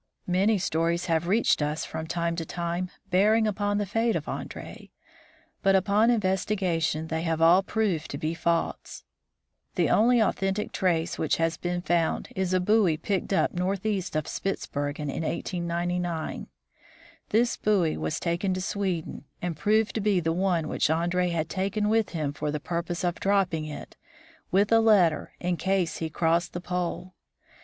Many stories have reached us from time to time bearing upon the fate of Andree, but upon investi gation they have all proved to be false. The only authen tic trace which has been found is a buoy picked up northeast of Spitzbergen in 1899. This buoy was taken to Sweden, and proved to be the one which Andree had taken with him for the purpose of dropping it, with a letter, in case he crossed the pole.